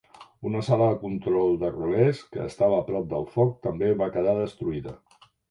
Una sala de controls de relés que estava a prop del foc també va quedar destruïda.